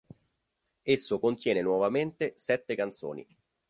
Esso contiene nuovamente sette canzoni.